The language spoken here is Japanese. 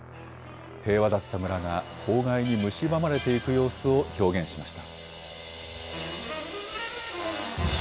平和だった村が公害にむしばまれていく様子を表現しました。